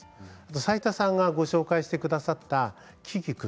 斉田さんがご紹介してくださった「キキクル」